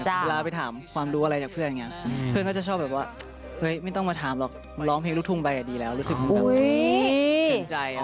เวลาไปถามความรู้อะไรจากเพื่อนอย่างนี้เพื่อนก็จะชอบแบบว่าเฮ้ยไม่ต้องมาถามหรอกมาร้องเพลงลูกทุ่งไปดีแล้วรู้สึกแบบสนใจ